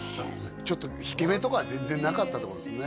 ちょっと引け目とかは全然なかったってことですね